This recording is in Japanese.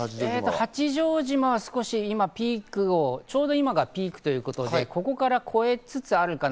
八丈島は、ちょうど今がピークということで、ここから越えつつあるかな。